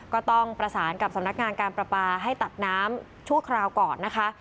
ก็ต้องประสานกับสำนักงานการประปาให้ตัดน้ำชั่วคราวก่อนนะคะ